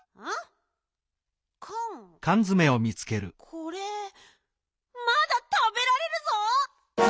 これまだたべられるぞ！